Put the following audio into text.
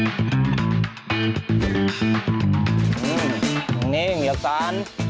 อื้อนี่เงียบกัน